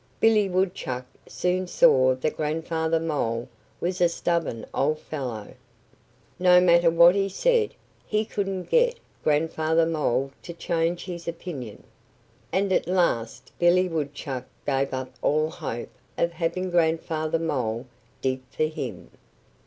Billy Woodchuck soon saw that Grandfather Mole was a stubborn old fellow. No matter what he said, he couldn't get Grandfather Mole to change his opinion. And at last Billy Woodchuck gave up all hope of having Grandfather Mole dig for him.